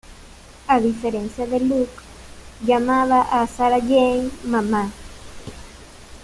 A diferencia de Luke, llamaba a Sarah Jane "Mamá".